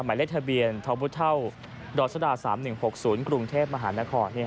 หมายเลขทะเบียนท้อมพุทธเท่าดรศ๓๑๖๐กรุงเทพฯมหานคร